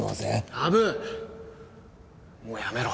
羽生もうやめろ。